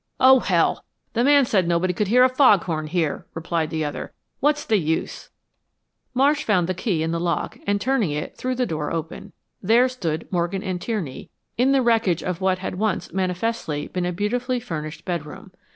"Oh, hell! The man said nobody could hear a foghorn here," replied the other. "What's the use?" Marsh found the key in the lock, and turning it, threw the door open. There stood Morgan and Tierney in the wreckage of what had once manifestly been a beautifully furnished bedroom.